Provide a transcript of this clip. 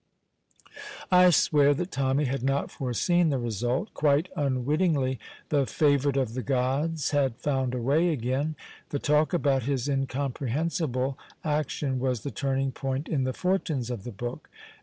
I swear that Tommy had not foreseen the result. Quite unwittingly the favoured of the gods had found a way again. The talk about his incomprehensible action was the turning point in the fortunes of the book.